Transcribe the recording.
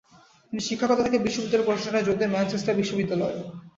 তিনি শিক্ষকতা থেকে বিশ্ববিদ্যালয় প্রশাসনে যোগ দেন ম্যানচেস্টার বিশ্ববিদ্যালয়ে।